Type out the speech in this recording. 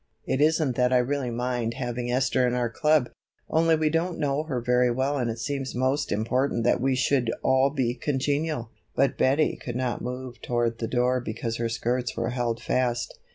It isn't that I really mind having Esther in our club, only we don't know her very well and it seems most important that we should all be congenial." But Betty could not move toward the door because her skirts were held fast.